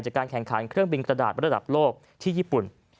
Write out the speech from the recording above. จากการแข่งขันเครื่องบินกระดาษระดับโลกที่ญี่ปุ่น